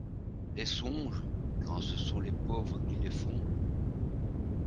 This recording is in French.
Les songes, quand ce sont les pauvres qui les font